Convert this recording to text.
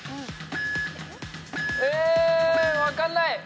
え分かんない！